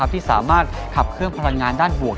ที่สามารถขับเครื่องพลังงานด้านบวก